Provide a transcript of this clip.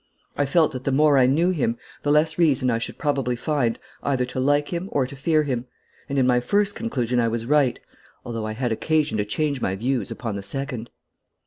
I felt that the more I knew him the less reason I should probably find either to like him or to fear him, and in my first conclusion I was right, although I had occasion to change my views upon the second.